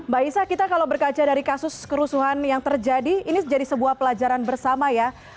mbak isa kita kalau berkaca dari kasus kerusuhan yang terjadi ini jadi sebuah pelajaran bersama ya